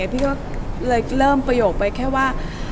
พี่ก็เลยเริ่มประโยคไปแค่ว่า